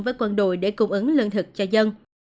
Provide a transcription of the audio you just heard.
với quân đội để cung ứng lương thực cho dân